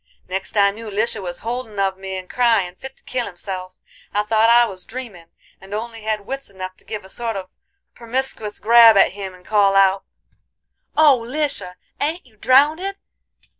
Next I knew Lisha was holdin' of me and cryin' fit to kill himself. I thought I was dreamin', and only had wits enough to give a sort of permiscuous grab at him and call out: "'Oh, Lisha! ain't you drownded?